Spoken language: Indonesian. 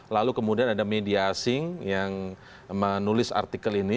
lalu kemudian ada media asing yang menulis artikel ini